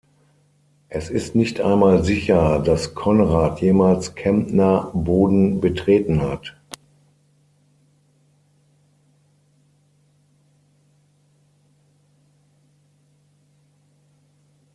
Es ist nicht einmal sicher, dass Konrad jemals Kärntner Boden betreten hat.